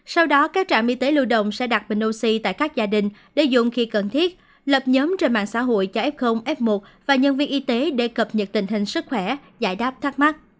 sau đó các trạm y tế lưu động sẽ đặt bình oxy tại các gia đình để dùng khi cần thiết lập nhóm trên mạng xã hội cho f f một và nhân viên y tế để cập nhật tình hình sức khỏe giải đáp thắc mắc